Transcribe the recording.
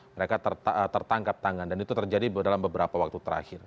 mereka tertangkap tangan dan itu terjadi dalam beberapa waktu terakhir